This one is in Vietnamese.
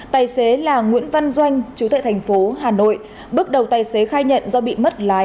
tài xế là nguyễn văn doanh chú tệ thành phố hà nội bước đầu tài xế khai nhận do bị mất lái